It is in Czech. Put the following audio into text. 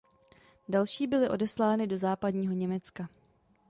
Další byly odeslány do Západního Německa.